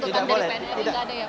tidak boleh tidak boleh